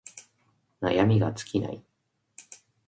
悩みが尽きない